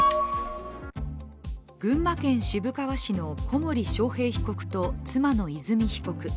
群馬県渋川市の小森章兵被告と妻の和美被告。